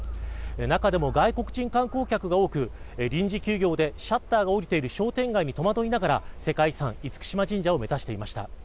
中でも外国人観光客が多く臨時休業でシャッターが下りている商店街に戸惑いながら、世界遺産厳島神社を目指していました。